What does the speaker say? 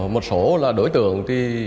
một số đối tượng